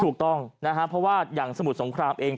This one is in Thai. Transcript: ถูกต้องนะครับเพราะว่าอย่างสมุทรสงครามเอง